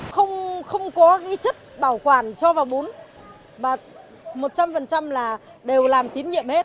không có cái chất bảo quản cho vào bún một trăm linh là đều làm tín nhiệm hết